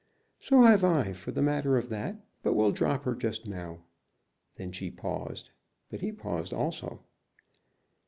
"So have I, for the matter of that, but we'll drop her just now." Then she paused, but he paused also.